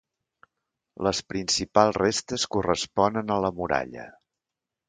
Les principals restes corresponen a la muralla.